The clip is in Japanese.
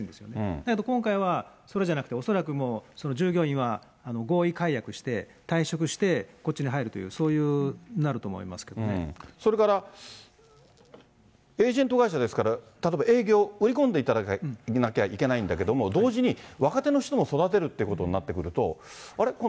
だけど今回はそうじゃなくて、従業員は合意解約して退職して、こっちに入るという、そういうふそれから、エージェント会社ですから、例えば営業、売り込んでいただかなきゃいけないんだけれども、同時に若手の人も育てるっていうことになってくると、あれ？